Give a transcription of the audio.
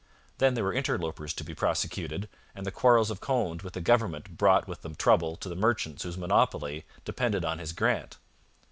Then there were interlopers to be prosecuted, and the quarrels of Conde with the government brought with them trouble to the merchants whose monopoly depended on his grant.